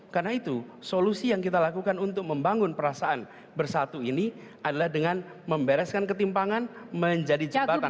karena itu solusi yang kita lakukan untuk membangun perasaan bersatu ini adalah dengan membereskan ketimpangan menjadi jembatan